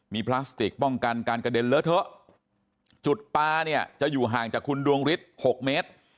มีพลาสติกป้องกันการกระเด็นเลอะเทอะจุดปลาเนี่ยจะอยู่ห่างจากคุณดวงฤทธิ์๖เมตร